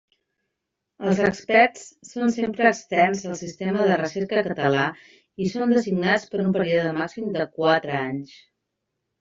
Els experts són sempre externs al sistema de recerca català i són designats per un període màxim de quatre anys.